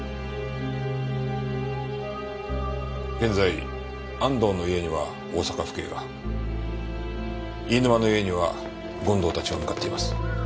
現在安藤の家には大阪府警が飯沼の家には権藤たちが向かっています。